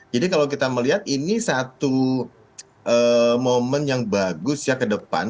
jadi kalau kita melihat ini satu momen yang bagus ya ke depan